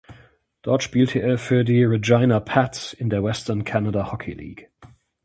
Dort spielte er für die Regina Pats in der Western Canada Hockey League.